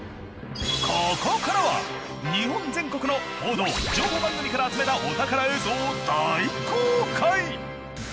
［ここからは日本全国の報道・情報番組から集めたお宝映像を大公開］